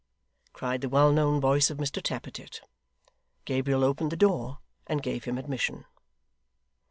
cried the well known voice of Mr Tappertit. Gabriel opened the door, and gave him admission.